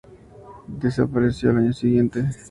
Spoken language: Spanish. Desapareció al año siguiente.